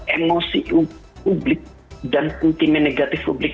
emosi publik dan sentimen negatif publik